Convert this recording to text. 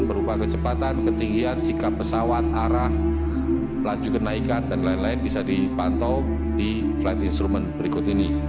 berupa kecepatan ketinggian sikap pesawat arah laju kenaikan dan lain lain bisa dipantau di flight instrument berikut ini